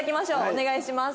お願いします。